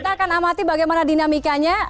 kita akan amati bagaimana dinamikanya